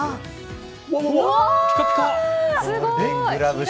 ピカピカ！